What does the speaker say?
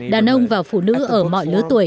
đàn ông và phụ nữ ở mọi lứa tuổi